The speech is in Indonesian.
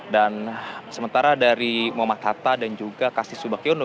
dan sementara dari muhammad hatta dan juga kasti subakiono